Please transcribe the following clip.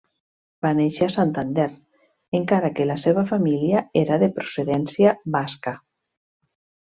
Va néixer a Santander, encara que la seva família era de procedència basca.